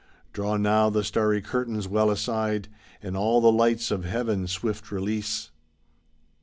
Draw now the starry curtains well aside. And all the lights of Heaven swift release.